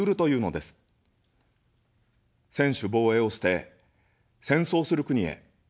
専守防衛を捨て、戦争する国へ。